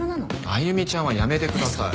「歩ちゃん」はやめてください。